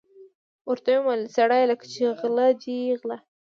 ورته ویې ویل: سړیه لکه چې غله دي غله.